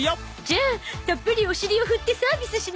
じゃあたっぷりおしりを振ってサービスしなくちゃ